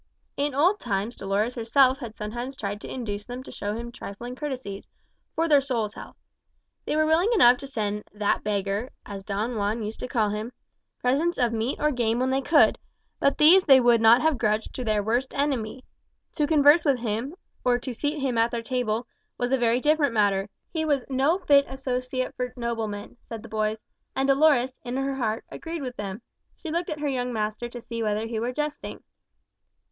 In old times Dolores herself had sometimes tried to induce them to show him some trifling courtesies, "for their soul's health." They were willing enough to send "that beggar" as Don Juan used to call him presents of meat or game when they could, but these they would not have grudged to their worst enemy. To converse with him, or to seat him at their table, was a very different matter. He was "no fit associate for noblemen," said the boys; and Dolores, in her heart, agreed with them. She looked at her young master to see whether he were jesting.